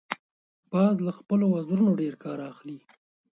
باز له خپلو وزرونو ډیر کار اخلي